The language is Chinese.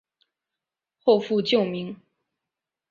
后复旧名。